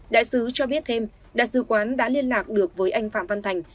đại sứ cho biết thêm đại sứ quán đã liên lạc được với anh phạm văn thành